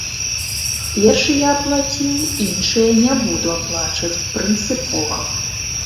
Першы я аплаціў, іншыя не буду аплачваць прынцыпова.